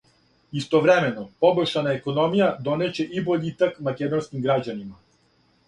Истовремено, побољшана економија донеће и бољитак македонским грађанима.